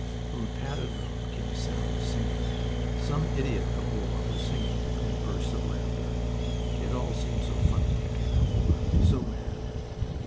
From a padded room came a sound of singing. Some idiot of war was singing between bursts of laughter. It all seemed so funny to him, that war, so mad!